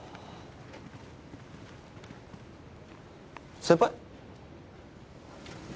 先輩？